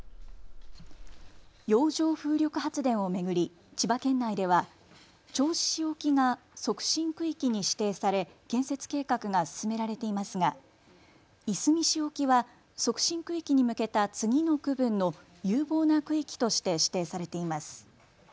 洋上風力発電を巡り千葉県内では銚子市沖が促進区域に指定され建設計画が進められていますがいすみ市沖は促進区域に向けた次の区分の有望な区域として指定されています。